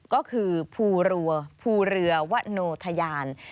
ก็คือพูเรือวัดโนทยาน